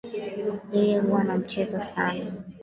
Yeye huwa na mcheza sana